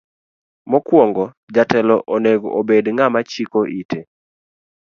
Mokuongo jatelo onego obed ng'ama chiko ite.